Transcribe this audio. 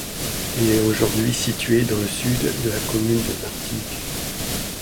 Il est aujourd'hui situé dans le sud de la commune de Martigues.